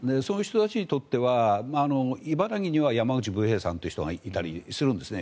そういう人たちにとっては茨城には山口武平さんという人がいらっしゃったりするんです。